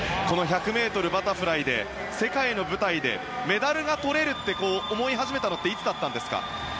この１００ｍバタフライで世界の舞台で、メダルがとれるって思い始めたのっていつだったんですか？